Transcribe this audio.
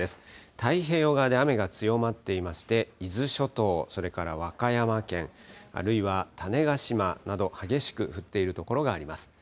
太平洋側で雨が強まっていまして、伊豆諸島、それから和歌山県、あるいは種子島など、激しく降っている所があります。